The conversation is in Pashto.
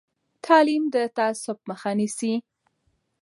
تعلیم د تعصب مخه نیسي.